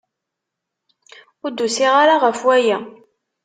Ur d-usiɣ ɣef waya.